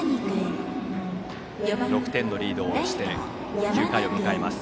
６点のリードをして９回を迎えます。